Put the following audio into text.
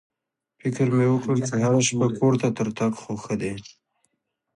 فکر مې وکړ چې هره شپه کور ته تر تګ خو ښه دی.